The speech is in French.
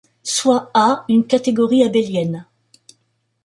Soit A une catégorie abélienne.